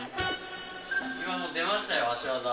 今の出ましたよ、足技。